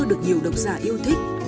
được nhiều đọc giả yêu thích